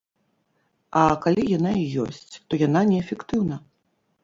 А калі яна і ёсць, то яна неэфектыўна.